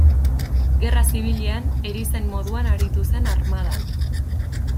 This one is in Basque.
Gerra Zibilean erizain moduan aritu zen armadan.